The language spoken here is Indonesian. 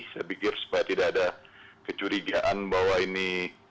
saya pikir supaya tidak ada kecurigaan bahwa ini